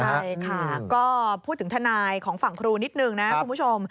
ใช่ค่ะก็พูดถึงทนายของฝั่งครูนิดนึงนะคุณผู้ชม